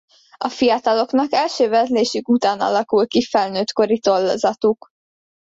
A fiataloknak első vedlésük után alakul ki felnőttkori tollazatuk.